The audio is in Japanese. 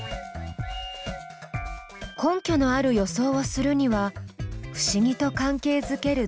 根拠のある予想をするには不思議と関係づける